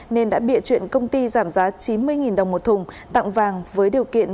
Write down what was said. nên đã bịa chuyện công ty giảm giá chín mươi đồng một thùng tặng vàng với điều kiện